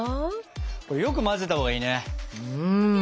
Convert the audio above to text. これよく混ぜたほうがいいね。